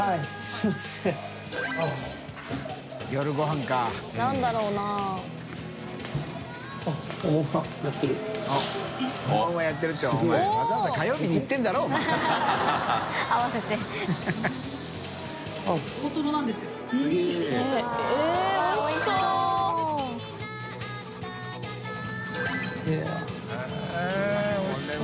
えっおいしそう。